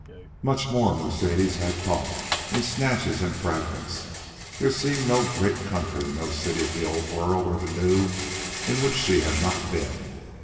Much more Mercedes had talked, in snatches and fragments. There seemed no great country nor city of the old world or the new in which she had not been.